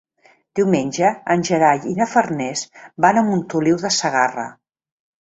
Diumenge en Gerai i na Farners van a Montoliu de Segarra.